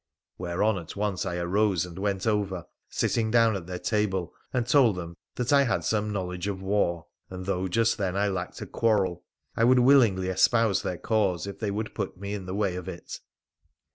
Whereon at once I arose and went over, sitting down at their table, and told them that I had some knowledge of war, and though just then I lacked a quarrel I would willingly espouse their cause if they would put me in the way of it.